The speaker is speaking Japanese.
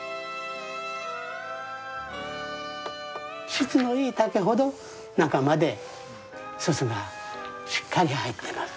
質のいい竹ほど中まで煤がしっかり入ってます。